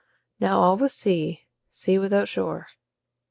Now all was sea, sea without shore.